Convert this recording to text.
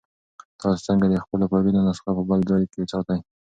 تاسو څنګه د خپلو فایلونو نسخه په بل ځای کې ساتئ؟